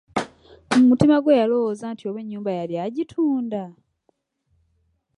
Mu mutima gwe yalowooza nti oba ennyumba yali agitunda!